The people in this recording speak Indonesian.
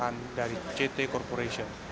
dan bank indonesia merupakan uang yang lebih baik